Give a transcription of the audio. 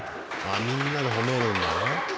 あみんなでほめるんだな。